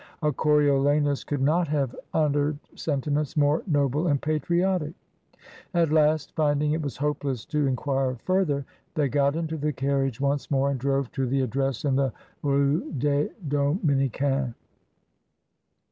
A Coriolanus could not have uttered sentiments more noble and patriotic At last, finding it was hopeless to inquire further, they got into the carriage once more, and drove to the address in the Rue des Dominicains.